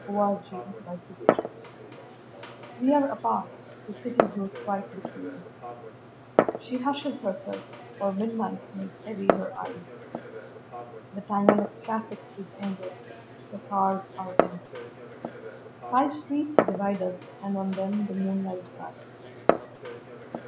Sara Teasdale At Night WE are apart; the city grows quiet between us, She hushes herself, for midnight makes heavy her eyes, The tangle of traffic is ended, the cars are empty, Five streets divide us, and on them the moonlight lies.